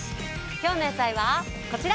今日の野菜はこちら。